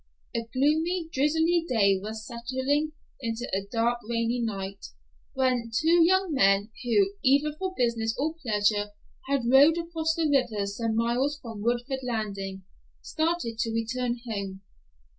A gloomy drizzly day was settling into a dark rainy night, when two young men, who, either for business or pleasure, had rowed across the river some miles from Woodford Landing, started to return home.